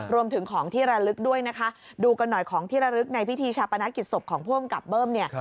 รวมถึงของที่ระลึกด้วยนะคะดูกันหน่อยของที่ระลึกในพิธีชาปนกิจศพของผู้กำกับเบิ้มเนี่ย